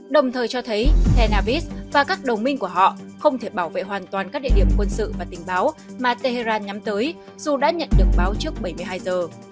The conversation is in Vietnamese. đồng thời cho thấy tel avis và các đồng minh của họ không thể bảo vệ hoàn toàn các địa điểm quân sự và tình báo mà tehran nhắm tới dù đã nhận được báo trước bảy mươi hai giờ